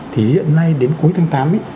thì hiện nay đến cuối tháng tám